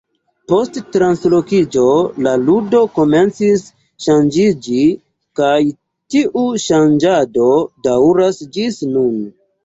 Post translokiĝo la ludo komencis ŝanĝiĝi, kaj tiu ŝanĝado daŭras ĝis nun.